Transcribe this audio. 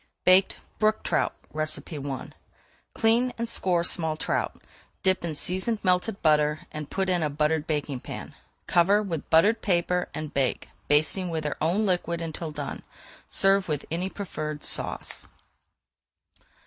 BAKED BROOK TROUT I Clean and score small trout, dip in seasoned melted butter, and put in a buttered baking pan. Cover with buttered paper and bake, [Page 417] basting with their own liquid until done. Serve with any preferred sauce.